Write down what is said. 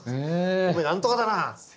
おめえ何とかだなっつって。